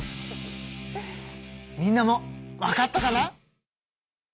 みんなもわかったかな？